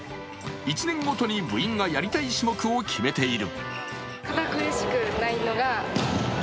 １年ごとに部員がやりたい種目を決めている。